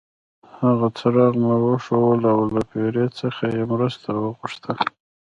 هغه څراغ وموښلو او له پیري څخه یې مرسته وغوښته.